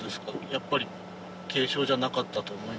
やっぱり軽傷じゃなかったと思いますか？